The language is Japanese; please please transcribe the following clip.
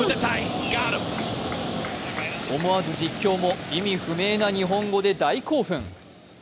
思わず実況も意味不明な日本語で大興奮。